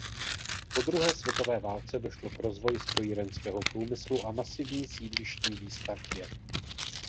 Po druhé světové válce došlo k rozvoji strojírenského průmyslu a masivní sídlištní výstavbě.